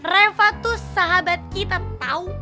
reva tuh sahabat kita tau